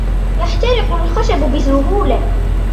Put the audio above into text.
يحترق الخشب بسهولة.